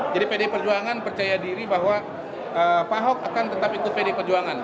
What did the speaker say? jadi pdi perjuangan percaya diri bahwa pak ahok akan tetap ikut pdi perjuangan